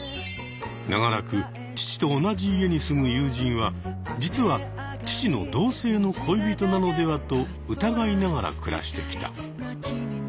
長らく父と同じ家に住む友人は実は父の同性の恋人なのではと疑いながら暮らしてきた。